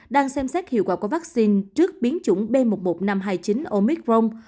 đang xem xét hiệu quả của vaccine trước biến chủng b một một năm trăm hai mươi chín omicron